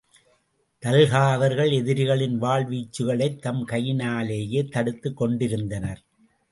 Talha அவர்கள் எதிரிகளின் வாள் வீச்சுக்களைத் தம் கையினாலேயே தடுத்துக் கொண்டிருந்தனர்.